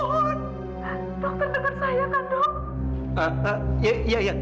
dokter dekat saya kan dok